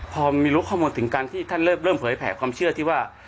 พอมีรู้ข้อมูลถึงการที่ท่านเริ่มเผยแผ่ความเชื่อที่ว่า